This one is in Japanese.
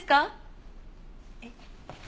えっ。